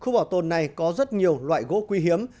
khu bảo tồn này có rất nhiều loại gỗ quý hiếm